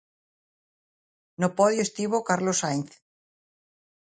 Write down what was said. No podio estivo Carlos Sainz.